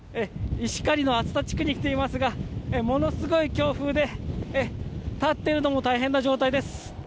石狩の厚田地区に来ていますが立っているのも大変な状態です。